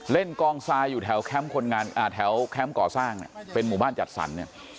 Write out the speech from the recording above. เล่นกองทรายอยู่แถวแคมป์ก่อสร้างเป็นหมู่บ้านจัดสรรค์